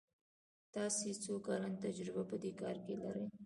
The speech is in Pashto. تاسو څو کلن تجربه په دي کار کې لری ؟